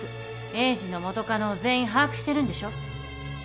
栄治の元カノを全員把握してるんでしょ？